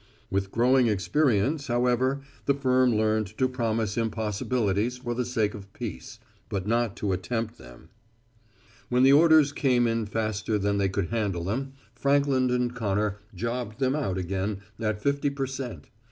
With growing experience, however, the firm learned to promise impossibilities for the sake of peace, but not to attempt them. When the orders came in faster than they could handle them, Frankland & Connor jobbed them out again at fifty per cent.